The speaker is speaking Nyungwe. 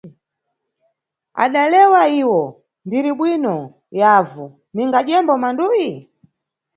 Adalewa iwo, ndiribwino, avu, ningadyembo manduyi?